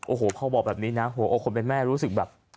โอ้โหพอบอกแบบนี้นะหัวอกคนเป็นแม่รู้สึกแบบ